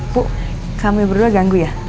bu kami berdua ganggu ya